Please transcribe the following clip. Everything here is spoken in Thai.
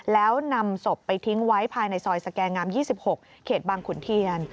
แล้วนำศพไปทิ้งไว้ภายในซอยสแกงาม๒๖เขตบางขุนเทียน